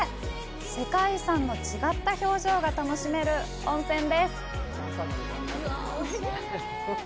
世界遺産の違った表情が楽しめる温泉です。